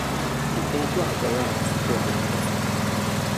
Le territoire est alors un support de la croissance.